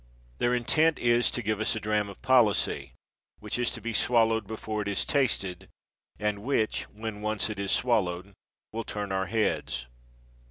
Their intent is, to give us a dram of policy which is to be swallowed before it is tasted, and which, when once it is swallowed, will turn our heads.